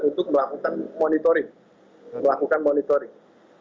untuk melakukan monitoring